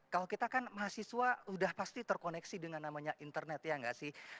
kalau kita kan mahasiswa udah pasti terkoneksi dengan namanya internet ya nggak sih